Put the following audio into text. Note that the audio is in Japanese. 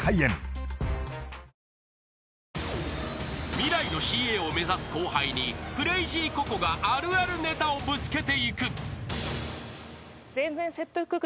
［未来のＣＡを目指す後輩にＣＲＡＺＹＣＯＣＯがあるあるネタをぶつけていく］